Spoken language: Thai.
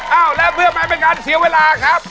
เอาแล้วเพื่อไม่เป็นการเสียเวลาครับ